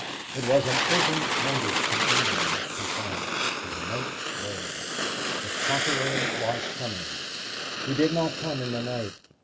It was an open notice to England, to France, to make way. The conqueror was coming. He did not come in the night.